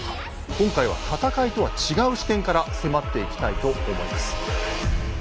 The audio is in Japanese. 今回は戦いとは違う視点から迫っていきたいと思います。